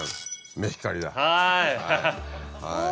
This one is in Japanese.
はい。